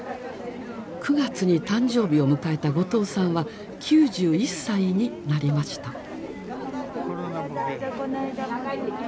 ９月に誕生日を迎えた後藤さんは９１歳になりました。